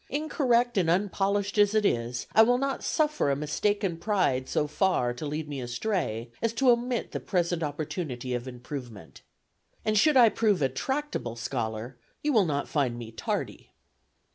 Incorrect and unpolished as it is, I will not suffer a mistaken pride so far to lead me astray as to omit the present opportunity of improvement. And should I prove a tractable scholar, you will not find me tardy.